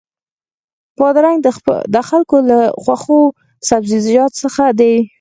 بادرنګ د خلکو له خوښو سبزیو څخه دی.